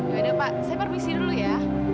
yaudah pak saya permisi dulu ya